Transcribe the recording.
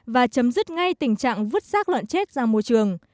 và chấm dứt ngay tình trạng vứt sát lợn chết ra môi trường